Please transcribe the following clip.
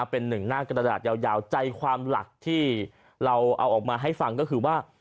เป็นหนึ่งหน้ากระดาษยาวใจความหลักที่เราเอาออกมาให้ฟังก็คือว่า